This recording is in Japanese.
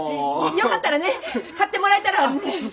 よかったらね買ってもらえたらね。